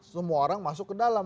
semua orang masuk ke dalam